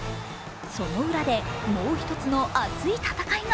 その裏で、もう一つの熱い戦いが。